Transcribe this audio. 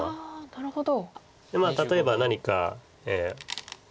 なるほど。